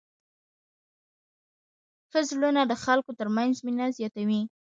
ښه زړونه د خلکو تر منځ مینه زیاتوي.